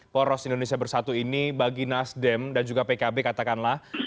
poros indonesia bersatu ini bagi nasdem dan juga pkb katakanlah